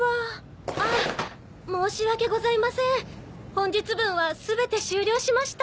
本日分は全て終了しました。